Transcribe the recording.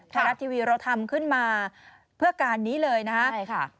พระรัชทีวีเราทำขึ้นมาเพื่อการนี้เลยนะคะ